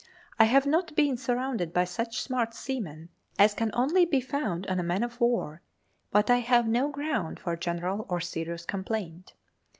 I have not been surrounded by such smart seamen as can only be found on a man of war, but I have no ground for general or serious complaint.